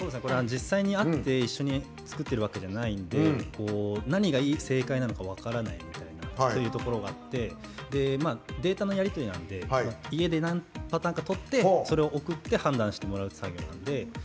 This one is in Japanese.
実際に会って作ってるわけじゃないんで何が正解なのか分からないというところがあってデータのやり取りなんで家で何パターンかとってそれを送って判断してもらう作業で。